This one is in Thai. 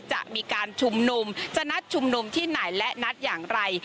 จะมีการชุมนุมจะนัดชุมนุมที่ไหนและนัดอย่างไร